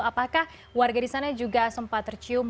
apakah warga di sana juga sempat tercium